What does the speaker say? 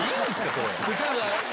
それ。